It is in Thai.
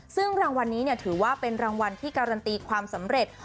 ซึ่งรางวัลนี้ถือว่าเป็นรางวัลที่การันตีความสำเร็จ